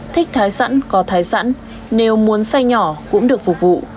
thích thái sẵn có thái sẵn nếu muốn say nhỏ cũng được phục vụ